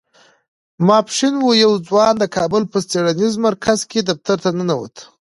ماسپښين و يو ځوان د کابل په څېړنيز مرکز کې دفتر ته ننوت.